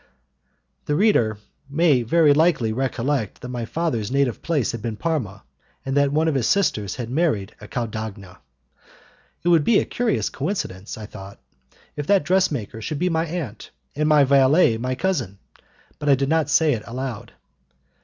The reader may very likely recollect that my father's native place had been Parma, and that one of his sisters had married a Caudagna. "It would be a curious coincidence," I thought, "if that dressmaker should be my aunt, and my valet my cousin!" but I did not say it aloud.